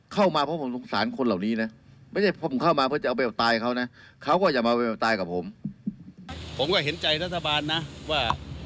กระทั่งเขาสิกระทั่งไว้อุ้มไว้ล่ะ